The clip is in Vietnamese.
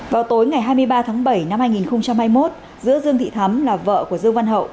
vào tối ngày hai mươi ba tháng bảy năm hai nghìn hai mươi một giữa dương thị thắm là vợ của dương văn hậu